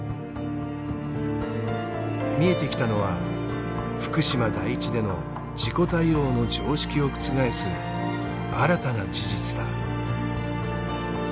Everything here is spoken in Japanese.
見えてきたのは福島第一での事故対応の常識を覆す新たな事実だ。